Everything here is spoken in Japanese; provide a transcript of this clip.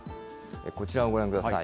こちらをご覧ください。